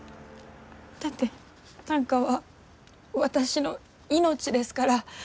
だって短歌は私の命ですから。